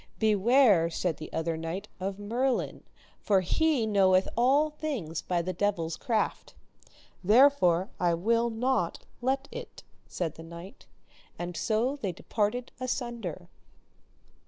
Beware, said the other knight, of Merlin, for he knoweth all things by the devil's craft. Therefore will I not let it, said the knight. And so they departed asunder.